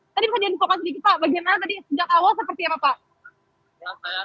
tadi bisa diinfokan sedikit pak bagaimana tadi sejak awal seperti apa pak